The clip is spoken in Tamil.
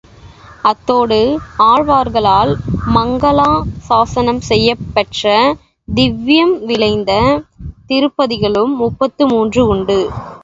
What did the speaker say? அத்தோடு ஆழ்வார்களால் மங்களா சாஸனம் செய்யப் பெற்ற திவ்வியம் விளைந்த திருப்பதிகளும் முப்பத்து மூன்று உண்டு.